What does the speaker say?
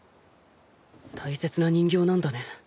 大切な人形なんだね。